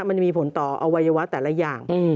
มันมีผลต่ออวัยวะแต่ละอย่าง